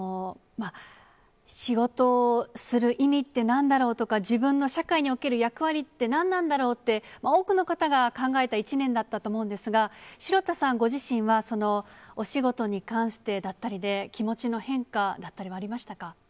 仕事をする意味ってなんだろうとか、自分の社会における役割って何なんだろうって、多くの方が考えた１年だったと思うんですが、城田さんご自身は、お仕事に関してだったりで、気持ちの変化だったりはありまし